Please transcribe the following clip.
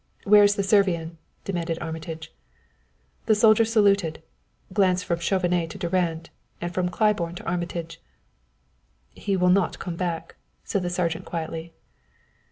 "Where is the Servian?" demanded Armitage. The soldier saluted, glanced from Chauvenet to Durand, and from Claiborne to Armitage. "He will not come back," said the sergeant quietly.